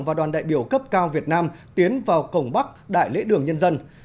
và đoàn đại biểu cấp cao việt nam tiến vào cổng bắc đại lễ đường nhân dân